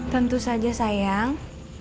tentu saja sayang